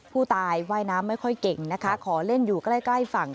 ผู้ตายว่ายน้ำไม่ค่อยเก่งนะคะขอเล่นอยู่ใกล้ใกล้ฝั่ง